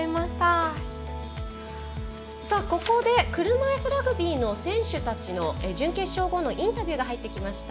車いすラグビーの選手たちの準決勝後のインタビューが入ってきました。